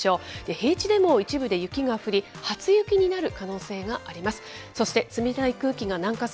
平地でも一部で雪が降り、初雪になる可能性があります。